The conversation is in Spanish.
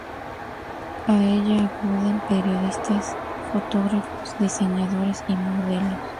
A ella acuden periodistas, fotógrafos, diseñadores, y modelos.